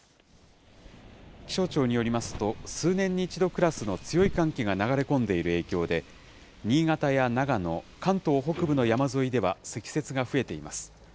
気象庁によりますと、数年に一度クラスの強い寒気が流れ込んでいる影響で、新潟や長野、関東北部の山沿いでは積雪が増えています。